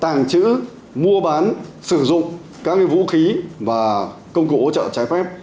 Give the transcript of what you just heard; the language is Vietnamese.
bằng chữ mua bán sử dụng các vũ khí và công cụ ổ trợ trái phép